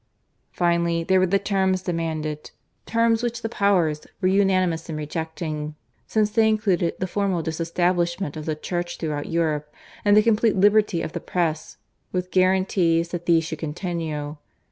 Finally, there were the terms demanded terms which the Powers were unanimous in rejecting, since they included the formal disestablishment of the Church throughout Europe and the complete liberty of the Press, with guarantees that these should continue.